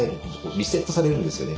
リセットされるんですよね